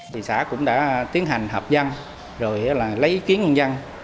thị xã cũng đã tiến hành hợp dân lấy ý kiến nhân dân